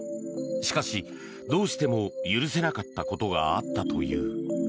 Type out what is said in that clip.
しかし、どうしても許せなかったことがあったという。